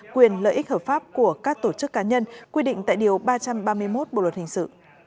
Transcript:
quyền lợi ích hợp pháp của các tổ chức cá nhân quy định tại điều ba trăm ba mươi một bộ luật hình sự